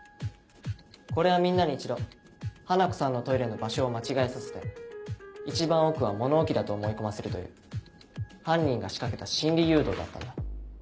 これはみんなに一度花子さんのトイレの場所を間違えさせて一番奥は物置だと思い込ませるという犯人が仕掛けた心理誘導だったんだ。